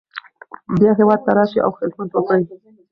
بیا هیواد ته راشئ او خدمت وکړئ.